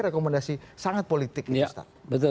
bahkan kemarin merekomendasikan rekomendasikan